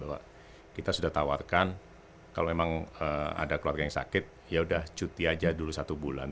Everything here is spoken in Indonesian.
bahwa kita sudah tawarkan kalau memang ada keluarga yang sakit yaudah cuti aja dulu satu bulan